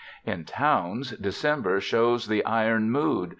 In towns December shows the iron mood.